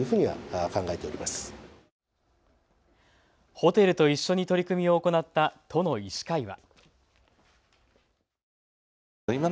ホテルと一緒に取り組みを行った都の医師会は。